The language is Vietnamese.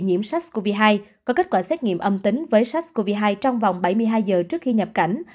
nhiễm sars cov hai có kết quả xét nghiệm âm tính với sars cov hai trong vòng bảy mươi hai giờ trước khi nhập cảnh